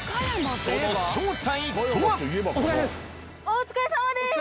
お疲れさまです！